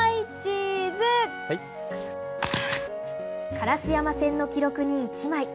烏山線の記録に一枚。